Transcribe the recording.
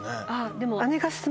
でも。